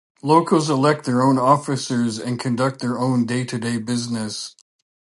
Locals elect their own officers and conduct their own day-to-day business.